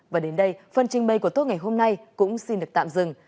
và đến đây phần trình bày của tốt ngày hôm nay cũng xin được tạm dừng